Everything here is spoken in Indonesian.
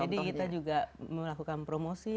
jadi kita juga melakukan promosi